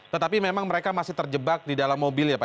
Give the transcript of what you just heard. tetapi memang mereka masih terjebak di dalam mobil ya pak